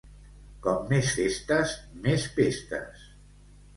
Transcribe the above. Com més festes, més pestes.